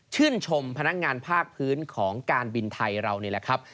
ชื่นชมพนักงานภาคพื้นของการบินไทยเรา